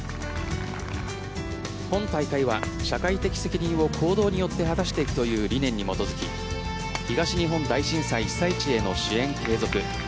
今大会は社会的責任を行動によって果たしていくという理念に基づき東日本大震災被災地への支援継続